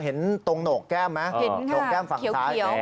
เห็นตรงโหนกแก้มไหมตรงแก้มฝั่งซ้ายเห็นค่ะเขียว